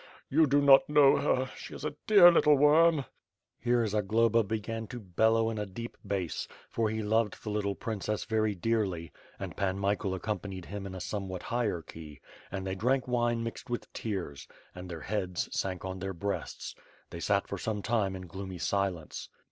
you do not kxkow her; ... she is a dear little worm." Here Zagloba began to bellow in a deep bass, for he loved tKe little princess very dearly, and Pan Michael accompanied him in a somewhat higher key, and they drank wine mixed with tears, and their heads sank on their breasts; they sat for some time in gloomy silence.